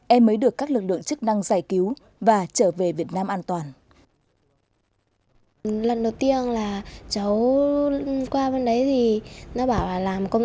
em mới được các lực lượng chức năng giải cứu và trở về việt nam an toàn